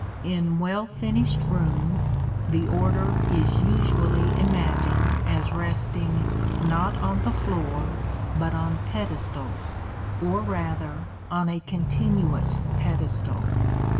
In well finished rooms the order is usually imagined as resting, not on the floor, but on pedestals, or rather on a continuous pedestal.